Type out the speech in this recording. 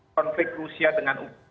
konflik rusia dengan